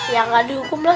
ya nggak dihukum lah